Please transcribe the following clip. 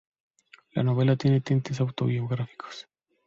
La novela tiene tintes autobiográficos.